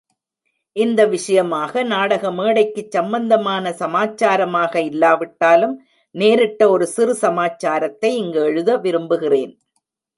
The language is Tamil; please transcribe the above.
இந்த விஷயமாக, நாடக மேடைக்குச் சம்பந்தமான சமாச்சாரமாக இல்லாவிட்டாலும், நேரிட்ட ஒரு சிறு சமாச்சாரத்தை இங்கு எழுத விரும்புகிறேன்.